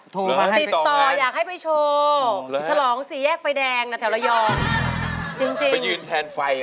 ติดต่ออยากให้ไปโชว์ฉลองสี่แยกไฟแดงนะแถวระยองจริงไปยืนแทนไฟ